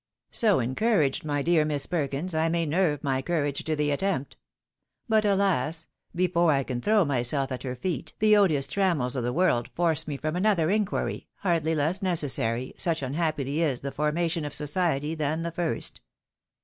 " So encouraged, my dear Miss Perkins, I may nerve my courage to the attempt. But, alas ! before I can throw myself at her feet, the odious trammels of the world force from me another inquiry, hardly less necessary, such unhappily is the formation of society, than the first.